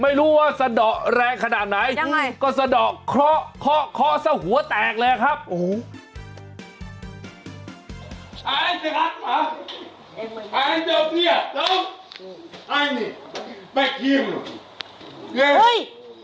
ไม่รู้ว่าสะดอกแรงขนาดไหนสะดอกเคราะห์ซะหัวแตกเลยครับพี่๋ยังไง